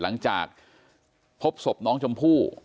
หลังจากพบศพน้องชมพู่